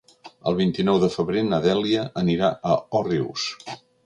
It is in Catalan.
El vint-i-nou de febrer na Dèlia anirà a Òrrius.